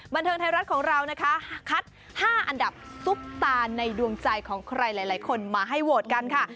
บันเทิงไทยรัฐของเรานะคะคัด๕อันดับซุปตาในดวงใจของใครหลายคนมาให้โหวตกันค่ะ